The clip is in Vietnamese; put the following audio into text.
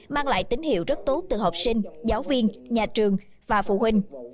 mang lại tín hiệu rất tốt từ học sinh giáo viên nhà trường và phụ huynh